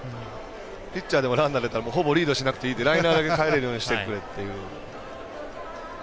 ピッチャーでもランナーで出たらほぼリードしなくていいってかえれるようにしてくれって。